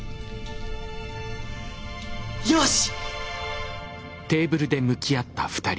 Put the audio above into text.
よし！